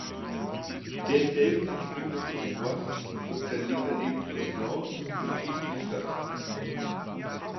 Der in Belgien entspringende Fluss Oise und sein linker Nebenfluss Gland durchfließen die Stadt.